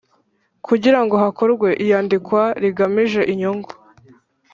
Kugira ngo hakorwe iyandikwa rigamije inyungu